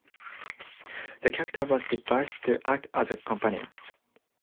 The character was devised to act as a companion.